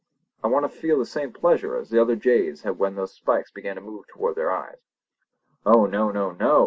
I want to feel the same pleasure as the other jays had when those spikes began to move toward their eyes!" "Oh no! no! no!"